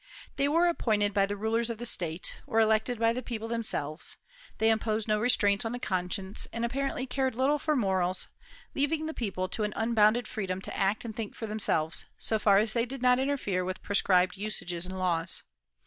They were appointed by the rulers of the state, or elected by the people themselves; they imposed no restraints on the conscience, and apparently cared little for morals, leaving the people to an unbounded freedom to act and think for themselves, so far as they did not interfere with prescribed usages and laws.